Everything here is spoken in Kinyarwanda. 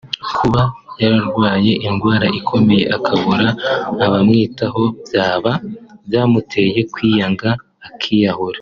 Kuba yararwaye indwara ikomeye akabura abamwitaho byaba byamuteye kwiyanga akiyahura”